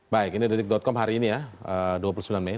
baik ini detik com hari ini ya dua puluh sembilan mei